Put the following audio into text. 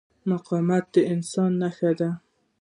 مقاومت د انسانیت نښه ده.